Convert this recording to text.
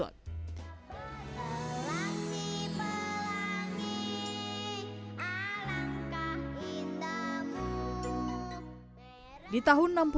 pelangi pelangi alangkah indahmu